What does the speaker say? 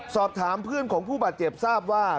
สอบถามเพื่อนของผู้บาดเจ็บทราบว่า